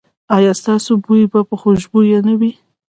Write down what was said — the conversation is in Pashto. ایا ستاسو بوی به خوشبويه نه وي؟